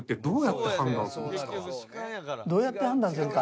どうやって判断するか。